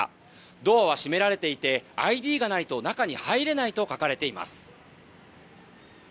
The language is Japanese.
ドアは閉められていてＩＤがないと中に入れないと書かれています。